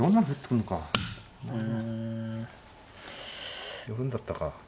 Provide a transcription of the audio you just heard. うん。寄るんだったか。